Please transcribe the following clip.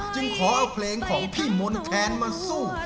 ขอเอาเพลงของพี่มนต์แคนมาสู้